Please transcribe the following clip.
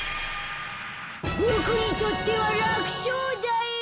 ボクにとってはらくしょうだよ。